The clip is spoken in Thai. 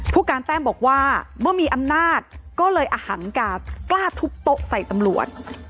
ผู้การแต้มบอกว่าเมื่อมีอำนาจก็เลยอหังกากล้าทุบโต๊ะใส่ตำรวจ